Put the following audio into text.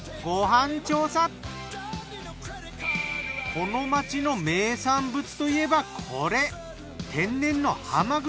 この町の名産物といえばこれ。